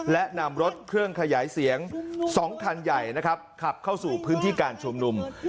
และนำรถเครื่องขยายเสียง๒คันใหญ่นะครับขับเข้าสู่พื้นที่การชุมนุม